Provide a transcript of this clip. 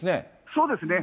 そうですね。